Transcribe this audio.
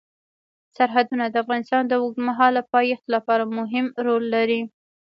سرحدونه د افغانستان د اوږدمهاله پایښت لپاره مهم رول لري.